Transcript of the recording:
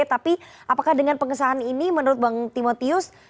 tapi apakah dengan pengesahan ini menurut bang timotius